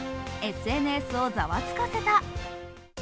ＳＮＳをざわつかせた。